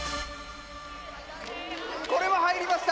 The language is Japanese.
これも入りました！